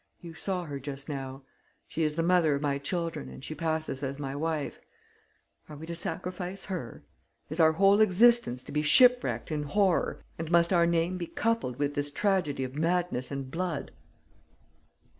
You saw her just now. She is the mother of my children and she passes as my wife. Are we to sacrifice her? Is our whole existence to be shipwrecked in horror and must our name be coupled with this tragedy of madness and blood?"